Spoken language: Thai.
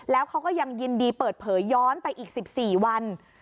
แล้วเขาก็ยังยินดีเปิดเผยย้อนไปอีก๑๔วัน